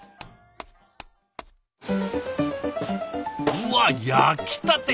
うわ焼きたて！